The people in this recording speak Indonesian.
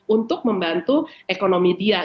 untuk membantu ekonominya